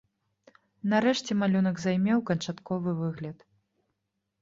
Нарэшце малюнак займеў канчатковы выгляд.